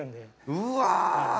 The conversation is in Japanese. うわ。